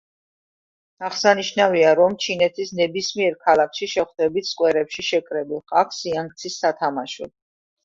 აღსანიშნავია, რომ ჩინეთის ნებისმიერ ქალაქში შეხვდებით სკვერებში შეკრებილ ხალხს სიანგცის სათამაშოდ.